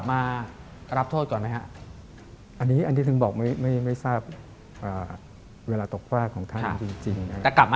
มีหน้าของท่านจริงเหมือนกับ